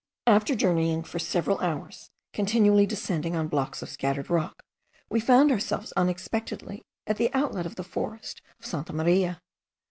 After journeying for several hours, continually descending on blocks of scattered rock, we found ourselves unexpectedly at the outlet of the forest of Santa Maria.